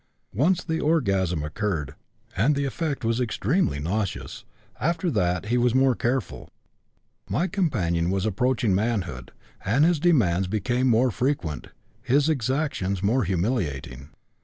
Once the orgasm occurred, and the effect was extremely nauseous; after that he was more careful. My companion was approaching manhood, and his demands became more frequent, his exactions more humiliating.